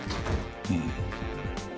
うん。